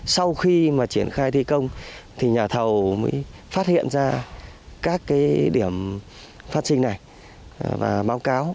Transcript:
sau khi mà triển khai thi công thì nhà thầu mới phát hiện ra các điểm phát sinh này và báo cáo